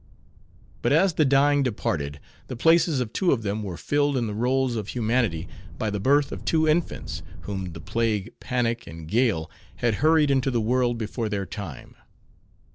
But as the dying departed, the places of two of them were filled in the rolls of humanity, by the birth of two infants, whom the plague, panic, and gale had hurried into the world before their time.